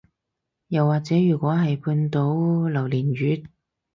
又或者如果係半島榴槤月